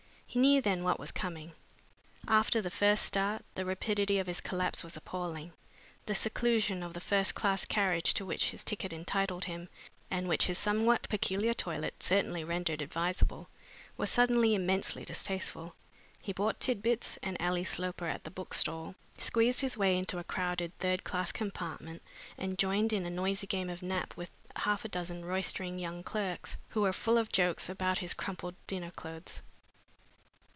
He knew then what was coming. After the first start, the rapidity of his collapse was appalling. The seclusion of the first class carriage to which his ticket entitled him, and which his somewhat peculiar toilet certainly rendered advisable, was suddenly immensely distasteful. He bought Tit bits and Ally Sloper at the bookstall, squeezed his way into a crowded third class compartment, and joined in a noisy game of nap with half a dozen roistering young clerks, who were full of jokes about his crumpled dinner clothes.